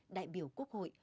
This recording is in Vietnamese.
đại biểu quốc hội